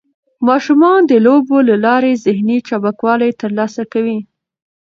ماشومان د لوبو له لارې ذهني چابکوالی ترلاسه کوي.